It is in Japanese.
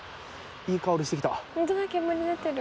いい香りしてきた。